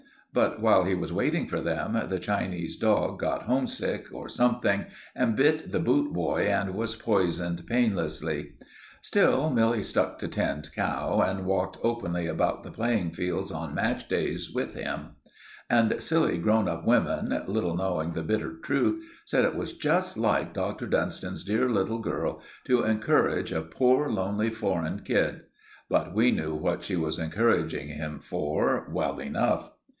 But while he was waiting for them, the Chinese dog got homesick, or something, and bit the boot boy and was poisoned painlessly. Still Milly stuck to Tinned Cow, and walked openly about the playing fields on match days with him. And silly grown up women, little knowing the bitter truth, said it was just like Dr. Dunstan's dear little girl to encourage a poor lonely foreign kid; but we knew what she was encouraging him for well enough.